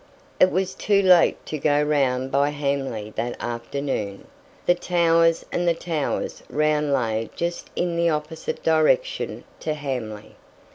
It was too late to go round by Hamley that afternoon. The Towers and the Towers' round lay just in the opposite direction to Hamley.